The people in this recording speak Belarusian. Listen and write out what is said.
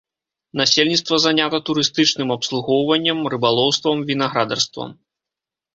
Насельніцтва занята турыстычным абслугоўваннем, рыбалоўствам, вінаградарствам.